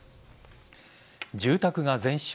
住宅が全焼。